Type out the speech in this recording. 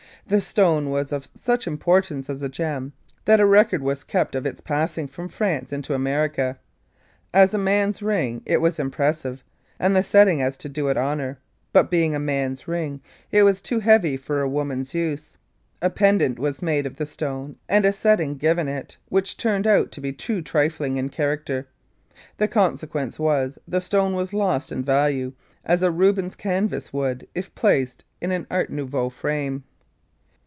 The stone was of such importance as a gem, that a record was kept of its passing from France into America. As a man's ring it was impressive and the setting such as to do it honour, but being a man's ring, it was too heavy for a woman's use. A pendant was made of the stone and a setting given it which turned out to be too trifling in character. The consequence was, the stone lost in value as a Rubens' canvas would, if placed in an art nouveau frame.